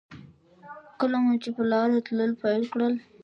کله مو چې په لاره تلل پیل کړل.